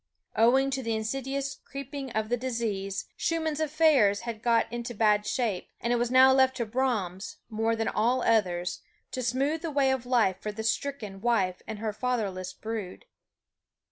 Owing to the insidious creeping of the disease, Schumann's affairs had got into bad shape; and it was now left to Brahms, more than all others, to smooth the way of life for the stricken wife and her fatherless brood.